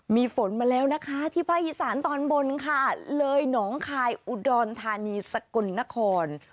มีฝนมาแล้วนะคะที่ภาคอีสานตอนบนค่ะเลยหนองคายอุดรธานีสกลนคร